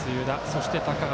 そして高橋。